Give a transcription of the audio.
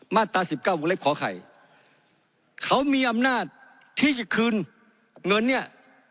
มาตรตา๑๙บุคลิปขอไข่เขามีอำนาจที่จะคืนเงินเนี้ย